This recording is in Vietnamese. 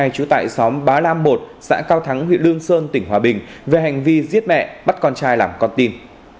chú tại xóm bá lam một xã cao thắng huyện lương sơn tỉnh hòa bình về hành vi giết mẹ bắt con trai làm con tim